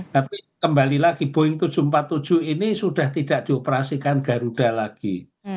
tapi kembali lagi boeing tujuh ratus empat puluh tujuh ini sudah tidak dioperasikan garuda lagi